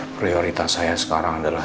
prioritas saya sekarang adalah